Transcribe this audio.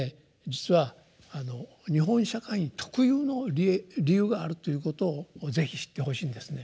実は日本社会特有の理由があるということを是非知ってほしいんですね。